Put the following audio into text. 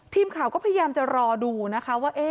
ทีมข่าวก็พยายามจะรอดูนะคะว่า